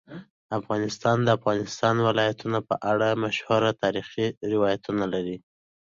افغانستان د د افغانستان ولايتونه په اړه مشهور تاریخی روایتونه لري.